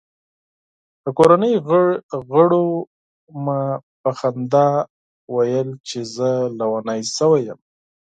د کورنۍ غړو مې په خندا ویل چې زه لیونی شوی یم.